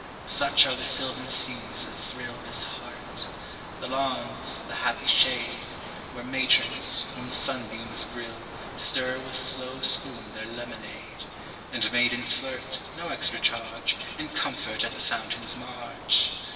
Such are the sylvan scenes that thrill This heart! The lawns, the happy shade, Where matrons, whom the sunbeams grill, Stir with slow spoon their lemonade; And maidens flirt (no extra charge) In comfort at the fountain's marge!